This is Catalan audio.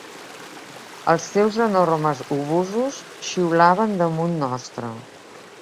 Els seus enormes obusos xiulaven per damunt nostre